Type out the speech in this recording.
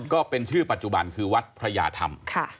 ก็เป็นชื่อปัจจุบันคือวัดพระยาธรรม